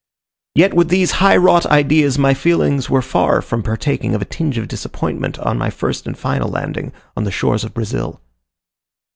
Yet with these high wrought ideas, my feelings were far from partaking of a tinge of disappointment on my first and final landing on the shores of Brazil.